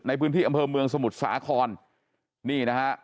ในพื้นที่อำเภอเมืองสมุทรสาครนี่นะฮะ